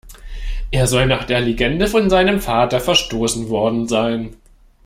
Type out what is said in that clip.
Er soll nach der Legende von seinem Vater verstoßen worden sein.